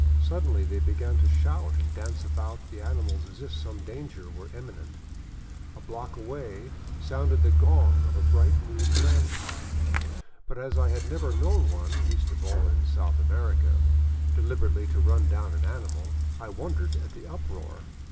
Suddenly they began to shout and dance about the animals as if some danger were Imminent. A block away sounded the gong of a bright new tramcar, but as I 483 VAGABONDING DOWN THE ANDES had never known one, least of all in South America, deliberately to run down an animal, I wondered at the uproar.